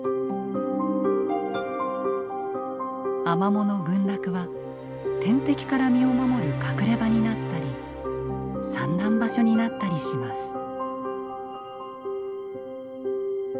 アマモの群落は天敵から身を守る隠れ場になったり産卵場所になったりします。